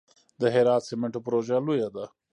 د هرات سمنټو پروژه لویه ده